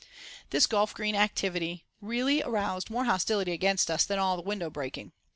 ASQUITH IN CHESTER] This golf green activity really aroused more hostility against us than all the window breaking.